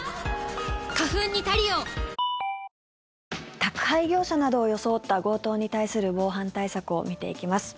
宅配業者などを装った強盗に対する防犯対策を見ていきます。